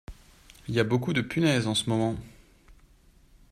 Y a beaucoup de punaises en ce moment.